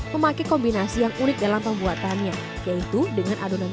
memakai kombinasi yang unik dalam pembuatannya yaitu dengan adonan